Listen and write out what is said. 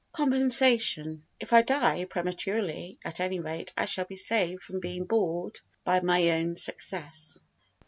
Compensation If I die prematurely, at any rate I shall be saved from being bored by my own success.